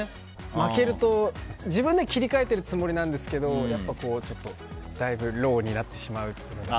負けると、自分では切り替えてるつもりなんですけどだいぶローになってしまう。